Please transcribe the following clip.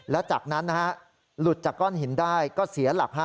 และจากนั้นหลุดจากก้อนหินได้ก็เสียหลัก